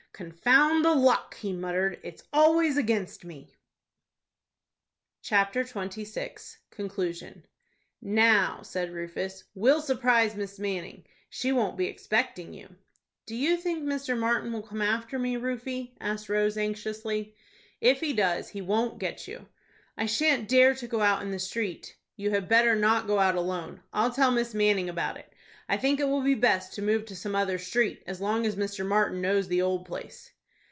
"Confound the luck!" he muttered. "It's always against me." CHAPTER XXVI. CONCLUSION. "Now," said Rufus, "we'll surprise Miss Manning. She won't be expecting you." "Do you think Mr. Martin will come after me, Rufie?" asked Rose, anxiously. "If he does he won't get you." "I shan't dare to go out in the street." "You had better not go out alone. I'll tell Miss Manning about it. I think it will be best to move to some other street, as long as Mr. Martin knows the old place."